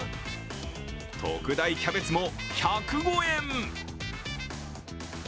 特大キャベツも１０５円。